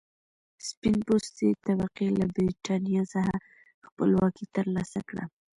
سپین پوستې طبقې له برېټانیا څخه خپلواکي تر لاسه کړه.